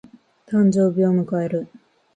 誕生日を迎える。